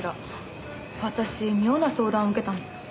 私妙な相談を受けたの。